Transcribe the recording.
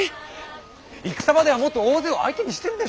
戦場ではもっと大勢を相手にしてるでしょう。